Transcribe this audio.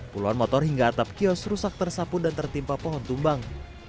puluhan motor hingga atap kios rusak tersapu dan tertimpa pohon tumbang